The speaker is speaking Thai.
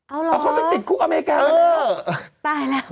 เอาเหรอเอาเขาไปติดคุกอเมริกามาแล้วตายแล้ว